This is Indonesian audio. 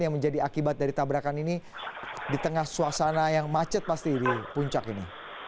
yang menjadi akibat dari tabrakan ini di tengah suasana yang macet pasti di puncak ini